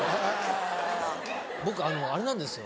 僕あのあれなんですよ。